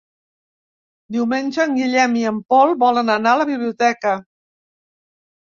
Diumenge en Guillem i en Pol volen anar a la biblioteca.